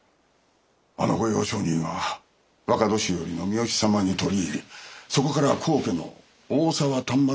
あの御用商人は若年寄の三好様に取り入りそこから高家の大沢丹波守様とつながり